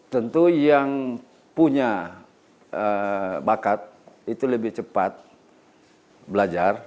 tentu yang punya bakat itu lebih cepat belajar